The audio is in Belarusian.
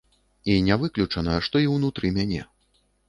І не выключана, што і ўнутры мяне.